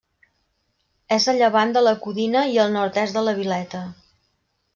És a llevant de la Codina i al nord-est de la Vileta.